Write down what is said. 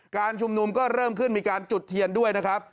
การชุมนุมก็เริ่มขึ้นมีการจุดเทียนด้วยนะครับ